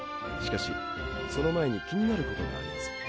しかしその前に気になることがあります。